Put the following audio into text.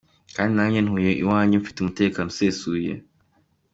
Kandi nanjye ntuye iwanjye mfite umutekano usesuye.